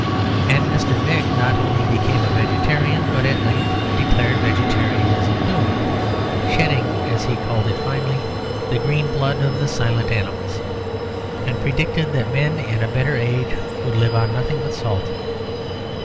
And Mr. Mick not only became a vegetarian, but at length declared vegetarianism doomed ("shedding," as he called it finely, "the green blood of the silent animals"), and predicted that men in a better age would live on nothing but salt.